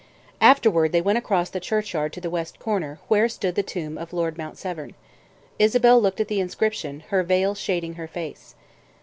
Afterward they went across the churchyard to the west corner, where stood the tomb of Lord Mount Severn. Isabel looked at the inscription, her veil shading her face.